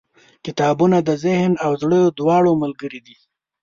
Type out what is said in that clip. • کتابونه د ذهن او زړه دواړو ملګري دي.